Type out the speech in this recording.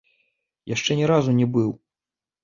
Яшчэ ні разу не быў.